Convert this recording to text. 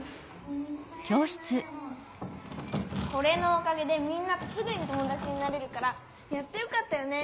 これのおかげでみんなとすぐにともだちになれるからやってよかったよね。